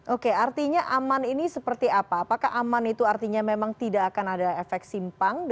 oke artinya aman ini seperti apa apakah aman itu artinya memang tidak akan ada efek simpang